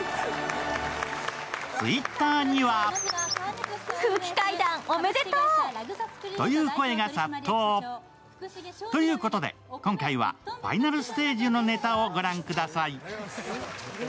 Ｔｗｉｔｔｅｒにはということで、今回はファイナルステージのネタを御覧ください。